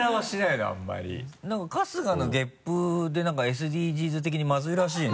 なんか春日のゲップでなんかＳＤＧｓ的にまずいらしいね。